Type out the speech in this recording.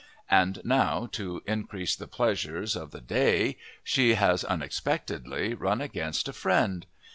And now to increase the pleasure of the day she has unexpectedly run against a friend!